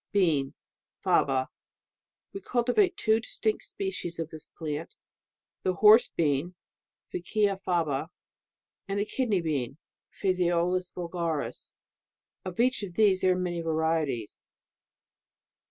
Bean Faba. We cultivate two distinct species of this plant, the Horse bean ... Vicia faba. and the Kidney bean . Phaseolus vulgaris. [of each of these there are many varieties.